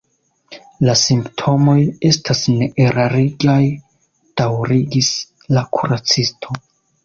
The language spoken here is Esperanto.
La simptomoj estas neerarigaj, daŭrigis la kuracisto.